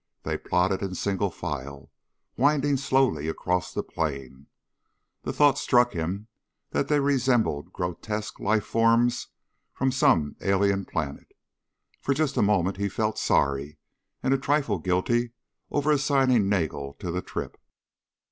They plodded in single file, winding slowly across the plain. The thought struck him that they resembled grotesque life forms from some alien planet. For just a moment he felt sorry, and a trifle guilty, over assigning Nagel to the trip.